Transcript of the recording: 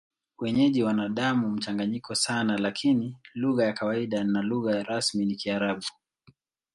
Wenyeji wana damu mchanganyiko sana, lakini lugha ya kawaida na lugha rasmi ni Kiarabu.